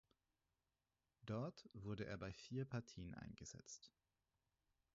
Dort wurde er bei vier Partien eingesetzt.